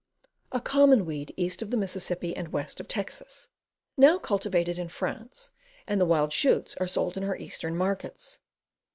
A common weed east of the Mississippi and west of Texas. Now cultivated in France, and the wild shoots are sold in our eastern markets.